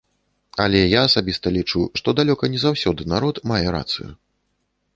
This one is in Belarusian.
Але я асабіста лічу, што далёка не заўсёды народ мае рацыю.